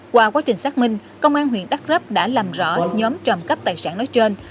qua quá trình xác minh công an huyện đắk rấp đã làm rõ nhóm trộm cắp tài sản nói trên